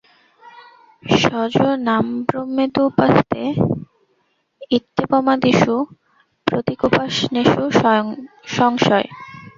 স যো নামব্রহ্মেত্যুপাস্তে ইত্যেবমাদিষু প্রতীকোপাসনেষু সংশয়ঃ।